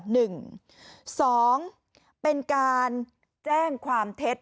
หนึ่งสองเป็นการแจ้งความเท็จ